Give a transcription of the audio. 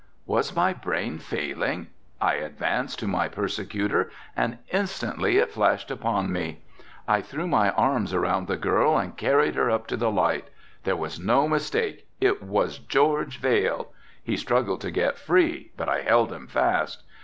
Was my brain failing? I advanced to my persecutor and instantly it flashed upon me. I threw my arms around the girl and carried her up to the light, there was no mistake, it was George Vail, he struggled to get free but I held him fast.